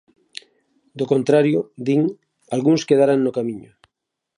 Do contrario, din, algúns quedarán no camiño.